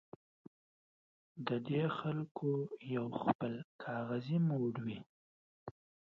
د دې خلکو یو خپل کاغذي موډ وي.